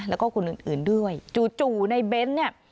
แล้วก็คนอื่นด้วยจู่ในเบนซ์เนี่ย